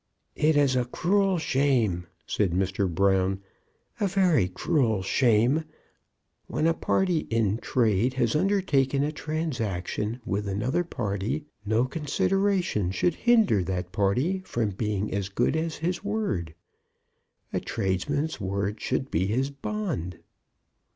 "It is a cruel shame," said Mr. Brown "a very cruel shame; when a party in trade has undertaken a transaction with another party, no consideration should hinder that party from being as good as his word. A tradesman's word should be his bond."